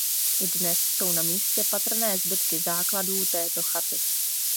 I dnes jsou na místě patrné zbytky základů této chaty.